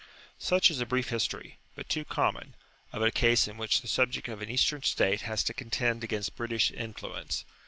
Such is a brief history, but too common, of a case in which the subject of an Eastern state has to contend against British influence.